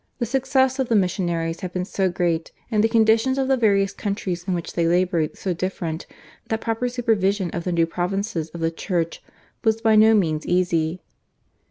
The success of the missionaries had been so great, and the conditions of the various countries in which they laboured so different, that proper supervision of the new provinces of the Church was by no means easy.